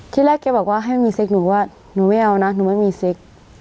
ที่แรกแกบอกว่าให้มันมีเซ็กหนูว่าหนูไม่เอานะหนูไม่มีเซ็ก